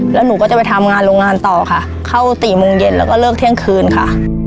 แล้วหนูก็จะไปทำงานโรงงานต่อค่ะเข้า๔โมงเย็นแล้วก็เลิกเที่ยงคืนค่ะ